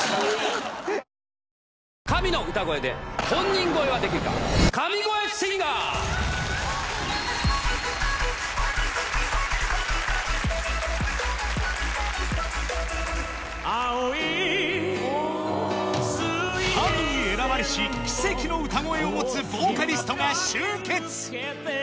青い水平線を神に選ばれし奇跡の歌声を持つボーカリストが集結